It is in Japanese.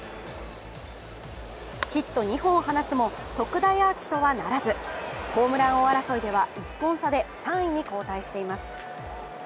ヒット２本を放つも特大アーチとはならずホームラン王争いでは１本差で３位に後退しています。